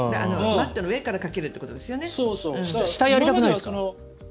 マットの上からかけるということですね。